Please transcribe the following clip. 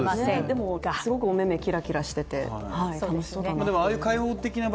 でもすごく、おめめキラキラしてて楽しそうだな。